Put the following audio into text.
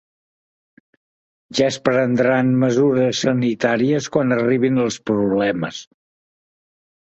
Ja es prendran mesures sanitàries quan arribin els problemes